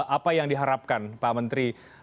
apa yang diharapkan pak menteri